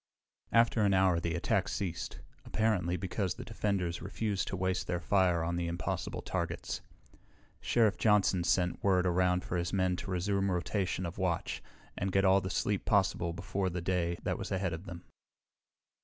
After an hour the attack ceased, apparently because the defenders refused to waste their fire on the impossible targets. Sheriff Johnson sent word around for his men to resume rotation of watch and get all the sleep possible before the day that was ahead of them.